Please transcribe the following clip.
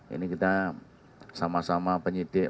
ini kita sama sama penyidik